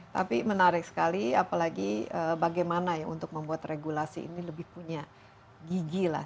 tapi menarik sekali apalagi bagaimana ya untuk membuat regulasi ini lebih punya gigi lah